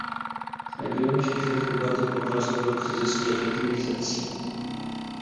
Znajdujemy się w środku bardzo poważnego kryzysu legitymizacji